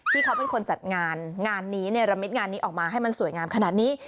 ที่เขาเป็นคนจัดงานงานนี้เนรมิตงานนี้ออกมาให้มันสวยงามขนาดนี้